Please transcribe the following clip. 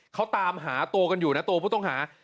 เขาตามหาตัวกันอยู่นะตัวผู้ต้องหา